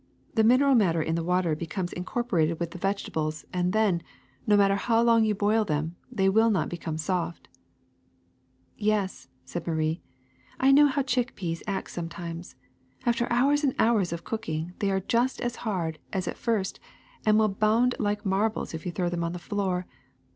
The mineral matter in the water becomes incorporated with the me THE SECRET OF EVERYDAY THINGS vegetables and then, no matter how long you boil them, they will not become soft/' *^Yes,'' said Marie, ^'I know how chick peas act sometimes: after hours and hours of cooking they are just as hard as at first and will bound like mar bles if you throw them on the floor.